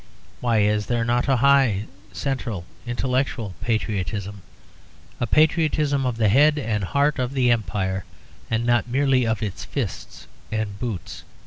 Why is there not a high central intellectual patriotism, a patriotism of the head and heart of the Empire, and not merely of its fists and its boots?